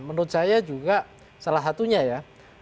menurut saya juga salah satunya ya